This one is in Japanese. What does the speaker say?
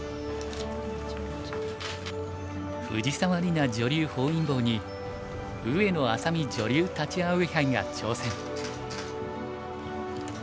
藤沢里菜女流本因坊に上野愛咲美女流立葵杯が挑戦。